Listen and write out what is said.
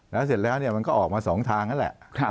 แล้วเสร็จแล้วมันก็ออกมา๒ทางนั่นแหละ